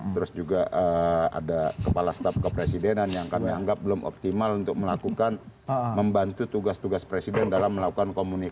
terus juga ada kepala staf kepresidenan yang kami anggap belum optimal untuk melakukan membantu tugas tugas presiden dalam melakukan komunikasi